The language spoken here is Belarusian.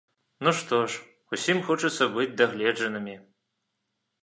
Ну што ж, усім хочацца быць дагледжанымі!